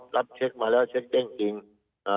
หรือที่กรูหรือเจอ